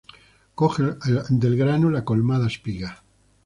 Coge del grano la colmada espiga.